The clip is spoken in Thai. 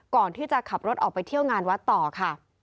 ก่อนที่จะขับรถออกไปเที่ยวงานวัดต่อค่ะ